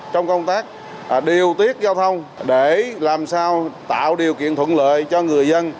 trong công tác điều tiết giao thông để làm sao tạo điều kiện thuận lợi cho người dân